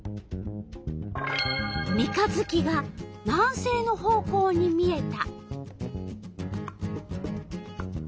三日月が南西の方向に見えた。